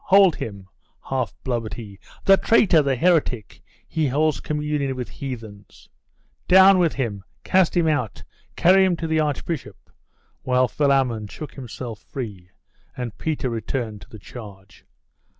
hold him!' half blubbered he. 'The traitor! the heretic! He holds communion with heathens!' 'Down with him!' 'Cast him out! Carry him to the archbishop!' while Philammon shook himself free, and Peter returned to the charge.